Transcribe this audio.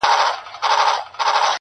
كوم خوشال به لړزوي په كټ كي زړونه؛